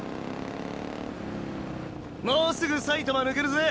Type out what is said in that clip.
もうすぐ埼玉抜けるぜ。